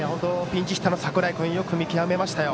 ピンチヒッターの櫻井君よく見極めましたよ。